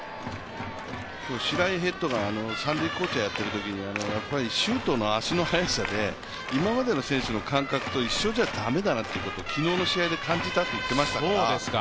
今日、白井ヘッドが三塁コーチをやっているときに周東の足の速さで今までの選手の感覚と一緒じゃ駄目だと昨日の試合で感じたと言っていましたから。